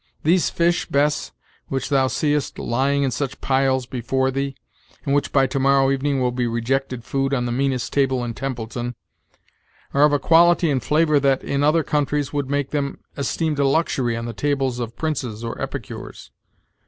These fish, Bess, which thou seest lying in such piles before thee, and which by to morrow evening will be rejected food on the meanest table in Templeton, are of a quality and flavor that, in other countries, would make them esteemed a luxury on the tables of princes or epicures.